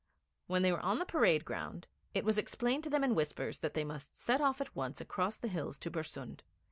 When they were on the parade ground, it was explained to them in whispers that they must set off at once across the hills to Bersund.